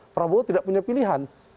prabowo tidak punya pilihan